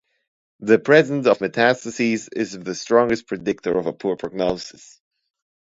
The presence of metastases is the strongest predictor of a poor prognosis.